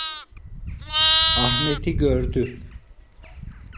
Ahmet'i gördü.